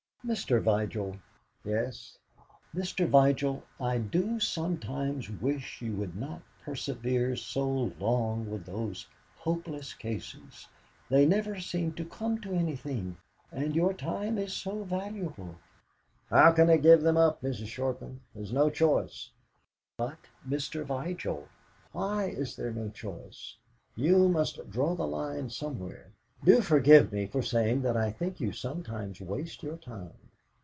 Mr. Vigil!" "Yes." "Mr. Vigil, I do sometimes wish you would not persevere so long with those hopeless cases; they never seem to come to anything, and your time is so valuable." "How can I give them up, Mrs. Shortman? There's no choice." "But, Mr. Vigil, why is there no choice? You must draw the line somewhere. Do forgive me for saying that I think you sometimes waste your time."